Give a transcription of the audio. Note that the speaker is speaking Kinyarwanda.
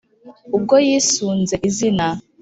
ubwo yisunze izina